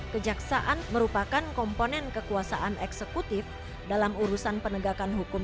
kejaksaan merupakan komponen kekuasaan eksekutif dalam urusan penegakan hukum